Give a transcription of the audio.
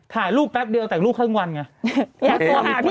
ถ่ายรูปแป๊บเดียวแต่งลูกครึ่งวันไง